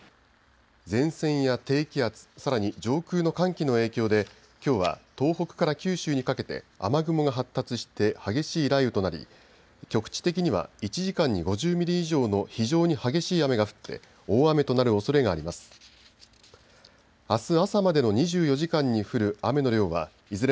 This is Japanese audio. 前線や低気圧、さらに上空の寒気の影響できょうは東北から九州にかけて雨雲が発達して激しい雷雨となり局地的には１時間に５０ミリ以上の非常に激しい雨が降って大雨となるおそれがあります。